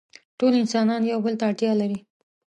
ټول انسانان يو بل ته اړتيا لري.